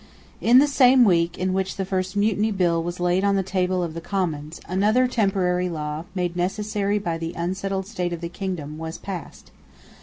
In the same week in which the first Mutiny Bill was laid on the table of the Commons, another temporary law, made necessary by the unsettled state of the kingdom, was passed.